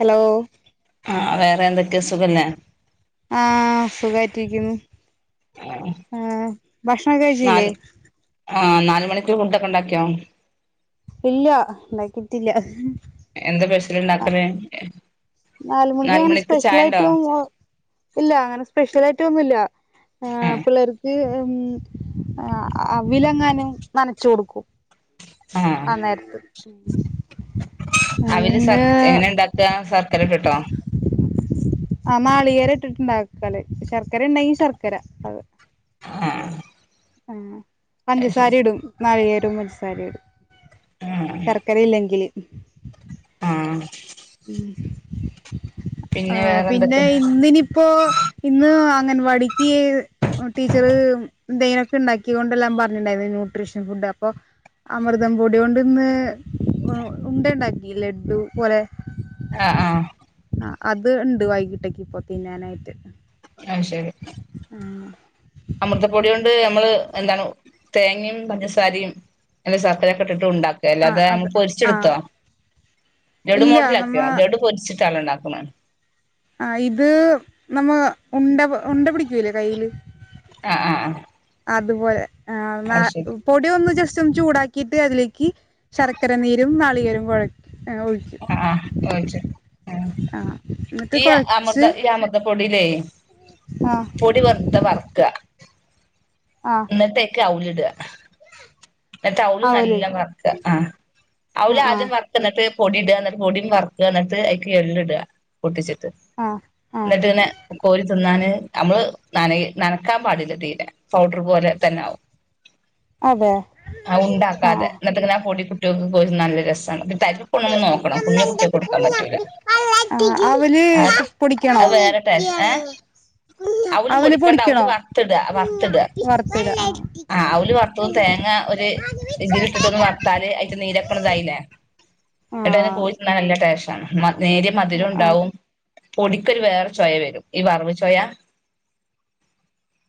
Hello ആ വേറെ എന്തൊക്കെ സുഖല്ലേ ആഹ് സുഖായിട്ടിരിക്കുന്നു ആ ഭക്ഷണം ക്കെ കഴ്ചീലെ ആഹ് നാല് മണിക്ക്‌ ഫുണ്ടൊക്കെ ണ്ടാക്കിയോ ഇല്ല ണ്ടാക്കിട്ടില്ല എന്താ സ്പെഷ്യല് ണ്ടാക്കല് നാല് മണിക്ക് അങ്ങനെ സ്പെഷ്യലായിട്ടും ഉം ഇല്ല അങ്ങനെ സ്പെഷ്യലായിട്ടൊന്നുല്ല ആ പിള്ളേർ ത്-ഉം-അ-അവിലെങ്ങാനും ന്നനച്ച് കൊടുക്കും ആ നേരത്ത്‌ അവില് സർ എങ്ങനെ ണ്ടാക്കാ ശർക്കരട്ട്ട്ടോ. ആ നാളികേരം ഇട്ടിട്ട് ണ്ടാക്കല് ശർക്കര ണ്ടെങ്കി ശർക്കര അത്. ആഹ് ആ പഞ്ചസാരിം ഇടും നാളികേരോം പഞ്ചസാരിം ഇടും ആ ശർക്കര ഇല്ലെങ്കില് ആഹ് ഉം ആ പിന്നെ വേറെ പിന്നെ എന്തൊക്കെ ഇന്നിനിപ്പോ ഇന്ന് അംഗൻവാടിക്ക് ടീച്ചറ് ന്തേലൊക്കെ ണ്ടാക്കികൊണ്ടെല്ലാം പറഞ്ഞിട്ടുണ്ടായിരുന്നു ന്യൂട്രീഷൻ ഫുഡ് അപ്പൊ അമൃതം പൊടി ണ്ട് ഇന്ന് ഉണ്ട ഉണ്ടാക്കി ലേ ലഡു പോലെ. ആഹ് ആഹ് ആ അത് ണ്ട് വൈകീട്ടക്ക് ഇപ്പോ തിന്നാനായിട്ട് ആഹ് ശരി അമൃതപ്പൊട്യോണ്ട് ഞമ്മള് എന്താണ് തേങ്ങിം പഞ്ചസാരിം അല്ലെ സർക്കരെക്കെ ഇട്ട് ഉണ്ടാക്കും ആ ചെലതെ അത് നമുക്ക് ആ പൊരിച്ചെടുത്തോ ലഡു ഇല്ല നമ്മ മോഡലാക്കിയോ ലഡു പൊരിച്ചിട്ട് ആണൊ ണ്ടാക്കുന്നത്. ആ ഇത് നമ്മ ഉണ്ട ഉണ്ട പിടിക്കൂല്ലേ കയ്യില് ആഹ് ആഹ് അതുപോലെ ആ ന്നാ പൊടി ഒന്ന് ജസ്റ്റ് ഒന്ന്‌ ചൂടാക്കീട്ട് അതിലേക്ക് ശർക്കര നീരും നാളികേരോം കൊഴക്കും ആഹ് ഓ ആഹ് എന്നിട്ട് ഈ കൊഴച്ച് അമൃത അമൃത പൊടില്ലേ ആഹ് പൊടി വെറുതെ വറക്ക ആഹ് എന്ന്ട് അയീക് അവില് ഇട ഉ എന്നിട്ട് അവലും നല്ല വറക്ക ആഹ് അവുല് ആഹ് ആഹ് ആദ്യം വറക്ക എന്നിട്ട് പൊടി ഇട എന്നിട്ട് പൊടിയും വറക്ക എന്നിട്ട് അയ്ക്ക് എള്ള് ഇട പൊട്ടിച്ചിട്ട് ആഹ് ആഹ് എന്നിട്ട്ന്നെ കോരി തിന്നാന് നമ്മള് നനക നനക്കാൻ പാടില്ല തീരെ പൗഡർ പോലെ തന്നെ ആകും അതെ ആ ഉണ്ട ആക്കാതെ ആഹ് ആഹ് എന്നെട്ടങ്ങന ആ പൊടി കുട്ടികൾക്ക് കൊരിതിൻ നല്ല രസം നമ്മള് തരിപ്പ് പോണത് നോക്കണം കുഞ്ഞ കുട്ടിക്ക് കൊടുക്കാൻ പറ്റൂല ആഹ് അവല് അത് പൊടിക്കണോ അത് വേറെ ടേസ്റ്റ് ഏഹ് അവല് പൊടിക്കണ്ട അവല് വറുത്തിട വറുത്തിട വറുത്തിട ആഹ് അവല് വറുത്ത തേങ്ങ ഒരു ഇതില ഇട്ടിട്ടൊന്ന് വറത്താല് അതിട്ട് നീരക്കുന്ന ഇതായില്ലേ എന്നട്ടാ ങനൊ ആഹ് കോരി നല്ല ടെസ്ണ് നേര്യ മധുരം ഉണ്ടാവും പൊടിക്കൊരു വേറെ ചോയ വരും ഈ വറവ് ചോയ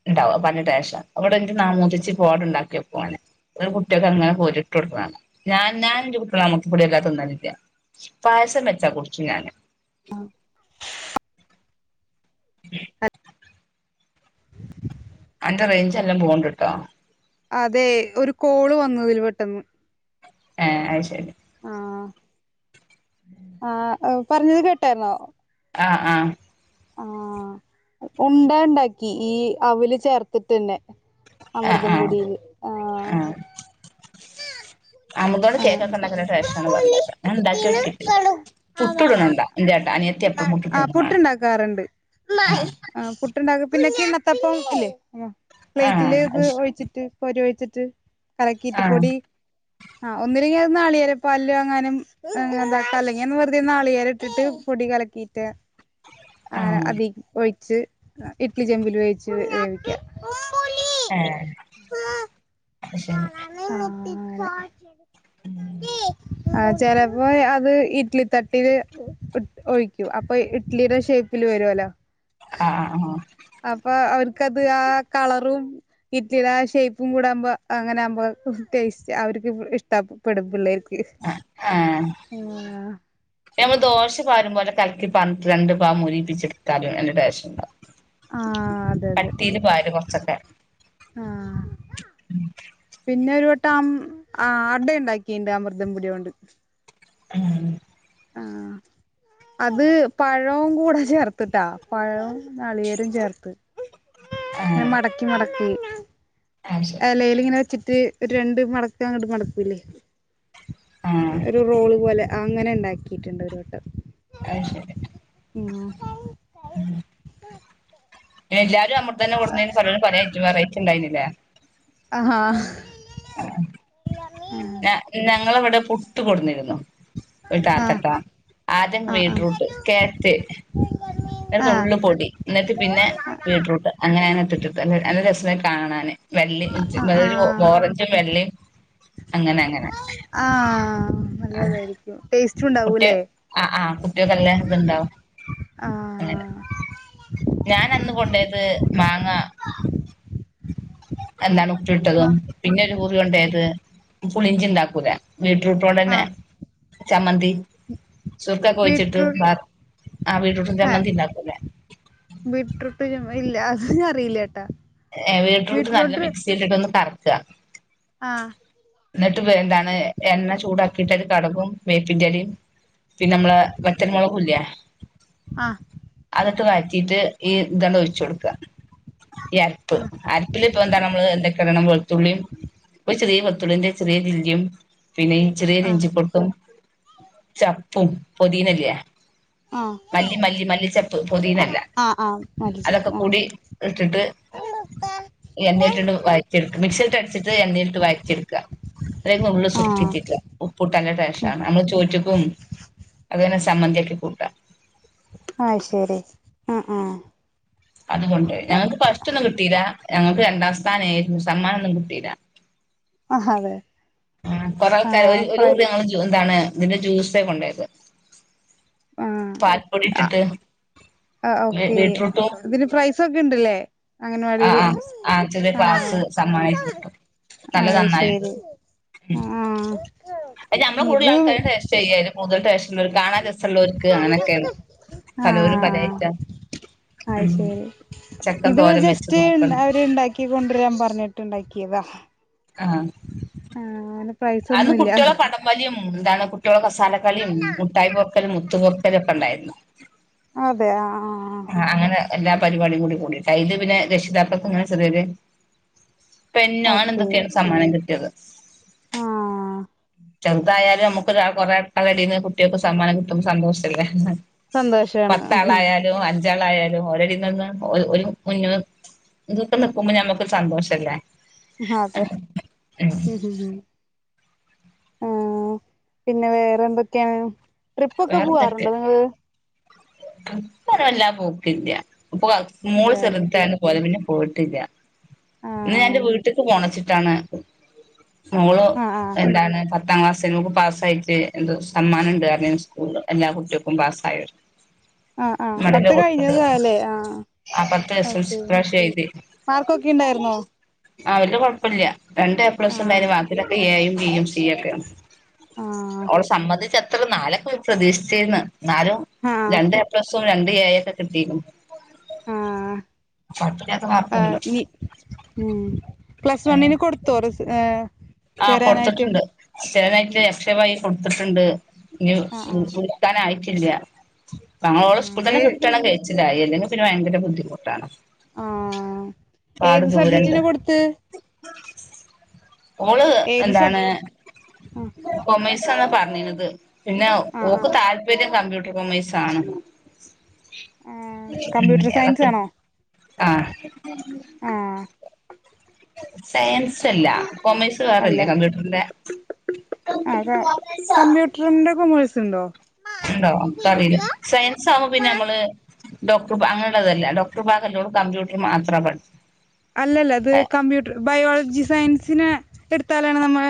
ഉണ്ടാവും പഞ്ഞ ടൊഷം അവിടെ എഹ് മൂതിച്ചി പോട്ണ്ടാക്കിയകും പ്പോടൊ ഒരു കുട്ടികൊക്കെ അങ്ങനെ കോരിട്ട് കൊടുക്ക്ണ ഞാ ഞാൻ കുട്ടികളം അമൃത പോടി എല്ലാ തിന്നലില്ല പായസം വെച്ചാ കുടിച്ചു ഞാന്. ആഹ് ഉ [inaudible] അന്റെറെ റേഞ്ച്ല്ലാം പോണ്ട് ട്ടോ അതെ ഒരു കോള് വന്നു ഇതിൽ പെട്ടെന്ന്. ഏഹ് അയ്ശരി ആഹ് ആഹ് പറഞ്ഞത് കേട്ടായിര്ന്നോ ആഹ് ആഹ് ആഹ് ഉണ്ട ണ്ടാക്കി ഈ അവല് ചേർത്തിട്ടന്നെ അമൃതം ആഹ് ആഹ് കൊടിയില് ആഹ് ആഹ് അമൃതോടെ കേക്കൊക്കെ ആഹ് ഉണ്ടാക്കിട്ട് മല്ല ടെസ്റ്റാണ് പറഞ്ഞത് ഉണ്ടാക്കിയൊ കിട്ടില്ല പുട്ണുണ്ടോ എന്തേട്ടാ അനിയത്തി എപ്പം പുട്ട് ആഹ് ചുട്ടണേ കാണാ പുട്ടുണ്ടാക്കാറുണ്ട് ആഹ് പുട്ടുണ്ടാക്ക പിന്നെ കിണത്തപ്പക്കില്ലേ പ്ലേറ്റില് ആഹ് ഇത് ഒഴിച്ചിട്ട് പരി ഒഴിച്ചിട്ട് കലക്കീറ്റിപ്പൊടി ആഹ് ഒന്നിലങ്ങ നാളികൊരെപ്പലില അങ്ങാനും അ എന്താ അല്ലങ്കിന്ന് വെറുതെ നാളികേര ഇട്ടിട്ട് പൊടി കലക്കീയിട്ട്. ആഹ് അത് ശരി ആഹ് ആന ആഹ് അതി ഒഴിച്ച് ഇഡ്ലി ചെമ്പിൽ വേച്ച് വേവിക്ക ഏഹ് അഹ്ശരി അ ചിലപ്പോ അത് ഇഡ്ലി തട്ടില് ഒഴിക്കൂ അപ്പൊ ഇഡ്ലിയുടെ ഷേപ്പിൽ വരുല്ലോ ആഹ ആ ആഹ അപ്പൊ അവർക്ക്ത് ആ കളറും ഇട്ടില്ല ആ ഷേപ്പും കൂടാപോ. അങ്ങനെ ആകുമ്പോൾ ടേസ്റ്റ് അവർക്ക് ഇഷ്ടപ്പെെടുമ്പള്ളേ ഹിം ഞമ്മൾ ദോശപാരും പോലെ കൽക്കി പാരനിട് രണ്ട് ഭാഗംമുരിപ്പിച്ചെടുത്താലും നല്ല ടൊസ്ററണ്ടാവും. ആ അതെ അതെ കട്ടീയില് പാരും കോറ കൊച്ചക്കെ ആ പിന്നെ ഒരു വട്ടം അട ഉണ്ടാക്കിയിണ്ട് അമൃതംപൊടിയ കൊണ്ട്. ഉം ആഹ അത് പഴവും കൂടെ ചേർത്തിട്ടാ പഴവും നാളികേരവും ചേർത്ത് ആഹ് മടക്കി മടക്കി അത് ശരി എലെ ങ്ങനെ വെച്ചിട്ട് ഒരു രണ്ട് മടക്ക അങ്ങോട്ട് മടക്കൂല്ലേ ആഹ് ഒരു റോള് പോലെ അങ്ങനെ ഉണ്ടാക്കിയിട്ടുണ്ട് ഒരു വട്ടം. അ ശരി ഉം പിന്ന എല്ലാവരും അമൃത തന്നെടുന്ന കോടനിന്ന് പല പല ഐറ്റം ണ്ടായിരുന്നില്ലേ. ആഹാ ഹ് ഞ ഞങ്ങളവിടെ പുട്ട് കൊടുന്നിരുന്നു. ഒരു ആ ആ താത്തട്ടാ ആദ്യ ആ ബീടറൂട്ട് കരറ്റ് ഒരു ആ ആ നുള്ള് പൊടി എന്നിട്ട് പിന്നെ ബീട്രൂട്ട് അങ്ങനെങ്ങെ ട്ടിട്ട് നല്ല രസ കാണാൻ വെള്ളി ആ ഓറഞ്ചും വെള്ളിയും അങ്ങനെ അങ്ങനെ ആഹ നല്ലതായിരിക്കും ടേസ്റ്റ് ഉണ്ടോ കുട്ടി ആ ആ കുട്ടിയക്കെല്ല ഇത്ണ്ടോ ആഹ അങ്ങെനെ ഞൻ അന്ന് കൊണ്ടേയത് മാങ്ങ. എന്താണ് ഉപ്പിലിട്ടത് പിന്നെ ഒരു കുറികെണ്ടായത് പുളിഞ്ചി ഉണ്ടാക്കൂലോ. ആ ബ്യൂട്രൂട്ടോടെന്നെ ചമ്മന്തി ചുർകക്കെ ഒഴിച്ചിട്ട് ബീറ്റ്റൂട്ട് ബ ആ ബീറ്റ്റൂട്ട് ആ ചമ്മന്തി ഉണ്ടാക്കൂലെ. ബീറ്റ്റൂട്ട് ഇല്ല അത ഞാൻ അറിയില്ലട്ട ബീറ്റ്റൂട്ട് നല്ല മിക്സി ഇട്ടിട്ടൊന്ന് കറക്കുക. ആഹ് എന്നിട്ട് എന്താണ് എണ്ണ ചൂടാക്കിയിട്ട് കടകും വേപ്പിന്റെ ഇലയും. പിന്നെ നമ്മളെ വറ്റൽ മോളക്ക് ഇല്ലോ ആഹ് അതൊക്കെ വായറ്റിട്ട് ഈ തണ് ഒഴച്ച് കൊടുക്ക പ്പ് ആ അരിപ്പിൽ ഇപ്പൊ എന്താണ് നമ്മള് ഏതോകെഇടണം വെളത്തുള്ളി ചെറിയ വത്തുള്ളിന്റെ ചെറിയല്ലും പിന്നെഈ ചെറിയ ആ ഇഞ്ചി പൊട്ടും ചപ്പും പൊതീന ല്ലേ ആ മല്ലി മല്ലി മല്ലിച്ചപ്പ് പൊതീ ല്ല ആ ആ അതൊക്കെ കൂടി ഇട്ടിട്ട്. ത [unintelligible] എണ്ണീട്ടിണ്ട് വായിറ്റി എടുക്ക മിക്സിട്ട അടിച്ചിട്ട് എന്നണയിട്ട് വായിറ്റി എ ടുക്കുക. ഒരു നുള്ള് ആ സുർക്ക ഉറ്റിക്ക ഉപ്പ്ട നല്ല ടെസ്റ്റ്‌ ഉം ആണ് നമ്മള് ചോറ്റ്ക്കും. അതെന്നെ സമ്മന്തിയാക്കി കൂട്ടാം ആ ശരി ആ ആ അതുകൊണ്ട് ഞങ്ങക്ക് ഫസ്റ്റ് ഒന്നും കിട്ടിയില്ല. ഞങ്ങക്ക് രണ്ടാം സ്ഥാനം ആരുന്നു. സമ്മനം ഒന്നും കിട്ടിയില്ല. ആ അതെ ആ കൊറെേ ആ ആൾക്കാരർ ഒരു ഫ്രൈ [unintelligible] എന്താണ് ഇതിന്റെ ജ്യൂസേ കൊണ്ടോയത് ആ പാൽപ്പൊടി ഇട്ടിട്ട് ആ ഓക്കെ ബീട്രൂട്ടും ഇതിന് പ്രൈസ് സോഒക്കെ ഉണ്ട്ല്ലേ ആ ആ ആ ചെറിയ ക്ലാസ്സ് സമ്മാനയി കിട്ടും നല്ല ആയി നന്നായിണ്ട് ശരി ആഹ നമ്മള കൂടള്ള ആൾക്കാരും ടെസ്റ്റ് ചെയ്യാനും കുടുതൽ ടെസ്റ്റ്‌ ഉള്ളവർക് കാണാൻ രസമുള്ളവർക്ക് അങ്ങനെയൊക്കെയ പലോരും പലയ്റ്റാ ആയ് ശരി ഇത് ചക്കൻ ഇവര് തോരൻ വെച്ച് ജസ്റ്റ് നോക്കണ്ട് അവര്ണ്ടാക്കൊണ്ടരാൻ പറഞ്ഞിട്ട്ണ്ടാക്കിയതാ ആഹ ആഹ അയ്ന് പൈസ ഒന്നുല്ല വടംവലിയും എന്താണ് കുട്ടികളുടെ കസാലക്കളിയും മുട്ടായി പൊർക്കലും മുത്തു കോർക്കലും ഒക്കെ ഉണ്ടായിരുന്നു അതെ ആ ആ ആ അങ്ങനെ എല്ലാ പരിപാടി കൂടി കൂടിയിട്ട് അയില് പിന്നെ രക്ഷിതാകളും ചെറിയൊരു ആ പെന്നോ അങ്ങനെ എന്തൊക്കെയാണ് സമ്മാനം കിട്ടിയത് ആഹ ചെറുതായാലും നമുക്ക് കൊറെ ആൾക്കളുടെ ഇടയിൽ നിന്ന് കുട്ടികൾക്ക് സമ്മാനം കിട്ടുമ്പോ സന്തോഷല്ലേ സന്തോഷാണ് പത്താളായാലും അഞ്ചാളായാലും ഒരിടയിൽ നിന്ന് ഒരു മുന്നിട്ട് നിൽക്കുമ്പോ നമ്മുക്ക് സന്തോഷല്ലേ- അതെ ഉം ഉം ആഹ പിന്നെ വേറെ എന്തൊക്കെയാണ് ട്രിപ്പൊക്കെ പോവാറുണ്ടോ നിങ്ങള്- ട്രിപ്പ്‌ ഒന്നും വല്ലാതെ പോക്കില്ല അപ്പോ മോള് ഇല്ലാല്ലേ ചെറുതായന്ന് പോയതാ പിന്നെ പോയിട്ടില്ല ആ ഇന്ന് ഞാൻ എന്റെ വീട്ടിക്ക് പോണച്ചിട്ടാണ് മോള് ആ ആ എന്താണ് പത് പത്താം ക്ലാസ്സില് നമുക്ക് പാസ്സായിട്ട് എന്തോ സമ്മാനം ഉണ്ട് പറഞ്ഞിനു സ്കൂളിൽ എല്ലാ കുട്ടികൾക്കും പാസ്സായ ആഹ ആഹ പത്ത് കഴിഞ്ഞതല്ലേ ആഹ ആ പത്ത് എസ് എൽ സി ഓക്കെ ഇപ്രാവശ്യം മാർക്കൊക്കെ ഇണ്ടായിരുന്നോ വലിയ കുഴപ്പമില്ല രണ്ട് എ പ്ലസ് ആ ഉണ്ടായാലും ബാക്കിലൊക്കെ എയും ബിയും സി ഒക്കെയും ആ അവള് സംമ്മന്തിച്ച് അത്ര നാലൊക്കെ പ്രതീക്ഷിച്ചിന്ന് ന്നാലും ആ രണ്ട് എ രണ്ടു എ ഒക്കെ കിട്ടിക്ക്ണ് ആഹാ ആഹാ മാർക്ക്ണ്ട് ഇനി ഏ പ്ലസ് വണ്ണിന് കൊടുത്ത [unintelligible] ഏ ആഹ കൊടുത്തിട്ടുണ്ട് ചിലതായിട്ട് അക്ഷയ വഴി കൊടുത്തിട്ടുണ്ട് ഇനി ആഹ് ആഹ് കിട്ടാന് ആയിട്ടില്ല തങ്ങളുടെ ആഹ് സ്കൂളിൽ ഏ തന്നെ കിട്ടണങ്കി [unintelligible] അല്ലെങ്കിൽ പിന്നെ ഭയങ്കര ബുദ്ധിമുട്ടാണ് ആ പാട് ഏത് ദൂരണ്ട് സബ്ജക്റ്റിനെ കൊടുത്ത് ഓള് ഏത് സബ് എന്താണ് ആഹ് കോമേഴ്‌സാണ് പറഞീന്നത് പിന്നെ ആഹ് ഓക്ക് ആഹ് താല്പര്യം കമ്പ്യൂട്ടർകോമേഴ്‌സാണ് ആഹ് കമ്പ്യൂട്ടർ സയൻസ് [unintelligible] ആണോ ആഹ് ആഹ് സയൻസ് അല്ല കോമേഴ്സ് ഇത് അല്ല വേറെയില്ലേ കമ്പ്യൂട്ടറിന്റെ രണ്ട് കോമേഴ്സുണ്ടോ ഉണ്ടോ അത് അറിയില്ല സയൻസ് ആവുമ്പോ പിന്നെ നമ്മള് ഡോക്ടർ അങ്ങനെയുള്ളത് അല്ലേ ഡോക്ടർ ഭാഗമല്ല കമ്പ്യൂട്ടർ മാത്രം പഠിച്ച അല്ല അല്ല അത് കമ്പ്യൂട്ടർ ബയോളജി സയൻസനാ ത് എടുത്താലാണ് നമ്മളെ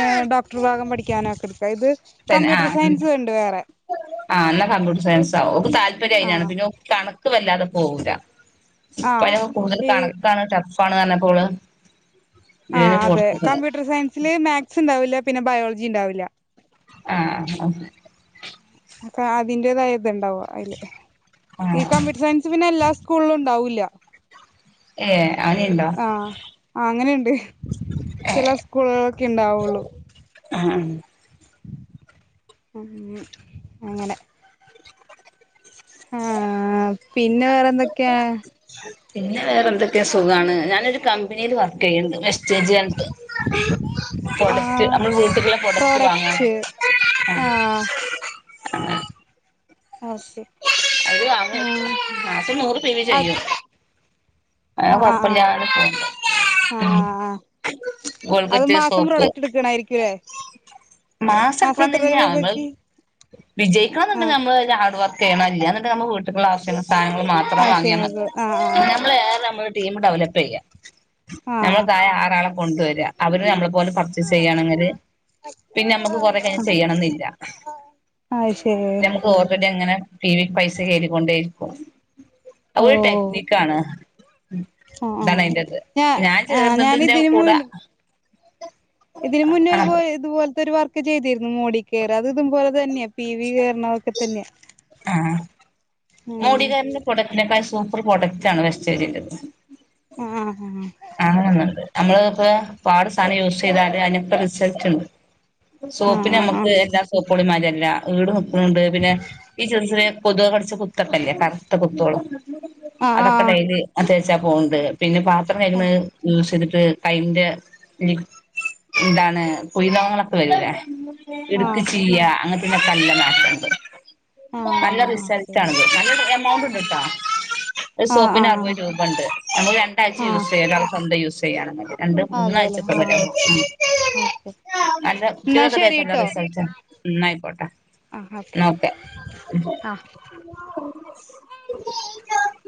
ഏഹ് ഡോക്ടർ ഭാഗം പഠിക്കാനൊക്കെ എടുക്ക ഇത് കമ്പ്യൂട്ടർ സയൻസ് ഉണ്ട് വേറെ ആഹ് എന്നാ കമ്പ്യൂട്ടർ സയൻസ് ആകും ഓക്ക് താല്പര്യം അയ്നാണ് ആഹ് പിന്നെ ഓ കണക്ക് വല്ലാതെ പോവൂല്ല ആഹ് പയ്ല് കൂടുതൽ ഈ കണക്കാണ് ടഫാണ് പറഞ്ഞപ്പോള് ആഹ് ഇതിന് അതെ കൊടുത്തിട്ടില്ല കമ്പ്യൂട്ടർ സയൻസില് മാത്‍സ് ഉണ്ടാവില്ല പിന്നെ ബയോളജി ഉണ്ടാവില്ല. ആഹ് കാ അതിന്റേതായ ഇത് ഇണ്ടാവും അയ്ല് ആ ഈ കമ്പ്യൂട്ടർ സയൻസ് സ് പിന്നെ എല്ലാ സ്കൂളിലും ഉണ്ടാവൂല്ല. ഏഹ് അങ്ങനീയുണ്ടോ? ആഹ് അങ്ങനീണ്ട് ചില സ്കൂളുകളൊക്കെ ഉണ്ടാവുള്ളൂ. ആഹ് ഉം അങ്ങനെ. ആഹ് പിന്നെ വേറെ എന്തൊക്കെയാ? പിന്നെ വേറെന്തൊക്കെയാ സുഖാണ് ഞാനൊരു കമ്പനിയിൽ വർക്ക്യ്യ്ണ്ട്. ചേജി അർഞ്ഞിട്ട് പ്രൊഡക്റ്റ് ആഹ് നമ്മുടെ വീട്ടുള്ള പ്രൊഡക്റ്റ് വാങ്ങ പ്രോഡക്റ്റ് ആഹ് ഓഹ് [inaudible] മാസം നൂറ് [inaudible] അത് ചെയ്യും അനെ ആഹ് ആഹ് ആഹ് കൊഴപ്പല്ലാതെ പോവ്ണ്ട് ആഹ് അത് മാസം പ്രൊഡക്റ്റ് എടുക്കണായിരിക്കുംല്ലേ മാസം എത്ര എടുക്കണോന്നില്ല നമ്മള് രൂപക്ക് വിജയിക്കണം ന്നുണ്ട് ആഹ് നമ്മള് തന്നെ ഹാർഡ് വർക്ക്‌ [unintelligible] ഇല്ല്യാ ന്ന്ണ്ടേ നമ്മ വീട്ട്ക്ക്ള്ള അവശ്യ സാധനങ്ങള് മാത്രം വാങ്ങിയ മതി ആവശ്യങ്ങൾക്ക് ആഹ് നമ്മള് ഏറെ മ്മള് ടീം ഡെവലപ്പ് ചെയ്യ ആഹ് നമ്മൾ തായേ ആറാളെ കൊണ്ടുവര്ആ അവര് നമ്മളെ പോലെ പർച്ചസെയ്യാണെങ്കില് പിന്നെ നമ്മുക്ക് കൊറെ ചെയ്യണംന്നില്ല അഹ് ശരി ത് ഓൾറെഡി അങ്ങനെ പി വി പൈസ കേയറിക്കൊണ്ടേയിരിക്കും അഹ് ഓ ഒരു ടെക്നിക്ക് ആണ് ആഹ് ഇതാണ് ആഹ് അയിന്റത് ഞാ ഞാൻ ആഹ് ചേർന്നതിന്റെ ഞാനിതിന് കൂടെ മുൻ ഇതിന് മുന്നൊരു ഇതുപോലത്തെ ഒരു വർക്ക് ചെയ്തിരുന്നു മോഡി കെയറ് അത് ഇതുപോലെ തന്നെയാ പി വി കേറണൊക്കെ തന്നെയാ ആഹ് ഉം മോഡികെയറിന്റെ പ്രോഡക്റ്റിനെക്കാൾ സൂപ്പർ പ്രോഡക്റ്റ് ആണ് വെസ്ചേജിന്റെ ആഹ് ആഹ് അങ്ങനൊന്നുണ്ട് നമ്മള് ഇപ്പോ പാട് സാനം യൂസെയ്താല് അയ്നൊക്കെ റിസൾട്ട്ണ്ട് സോപ്പിന് ആഹ് നമ്മക്ക് എല്ലാ സോപ്പളിമാരല്ല ഈട് നിക്കുന്നുണ്ട് പിന്നെ ഈ ചെറ് ചെറ്യേ കൊതുക് കടിച്ച കുത്തൊക്കെല്ലേ കറുത്ത കുത്തോളു ആഹ് അതൊക് ക്കെ ആഹ് ടൈലി അതേച്ചാ പോവ്ണ്ട് പിന്നെ പാത്രം കൈക്ണ് യൂസ്യ്തിട്ട് കയിന്റെ നി എന്താണ് കുയ്നോകങ്ങളൊക്കെ വരൂലേ ഇടുക്ക് ആഹ് ചീയ അങ്ങനത്തെയ്നൊക്കെ അല്ലതാ ആഹ് ആഹ് നല്ല ആഹ് റിസൾട്ട് ആണത് നല്ലരു എമൗണ്ട് ഉണ്ട്ട്ടോ ഒരു ആഹ് സോപ്പിന് ആഹ് ആറുപത് രൂ ആഹ് പണ്ട് അപ്പൊ രണ്ടാഴ്ച യൂസ് ആഹ് ചെയ്യാം സ്വന്തം യൂസ് ചെയ്യാന രണ്ട് അതെല്ലേ മൂന്നാഴ്ചപ്പോ വരാ ആഹ് ഓക്കെ നല്ല എന്നാ കുട്ടികളൊക്കെ തേച്ചല്ല ശരിട്ടോ റിസൾട്ട ന്ന ആയിക്കോട്ടെ ആഹ് അതെ എന്നാ [unintelligible] [unintelligible]